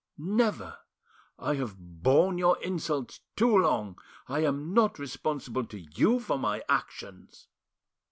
"Never! I have borne your insults too long. I am not responsible to you for my actions."